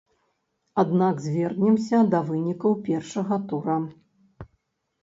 Аднак звернемся да вынікаў першага тура.